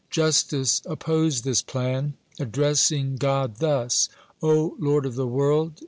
Justice opposed this plan, addressing God thus: "O Lord of the world!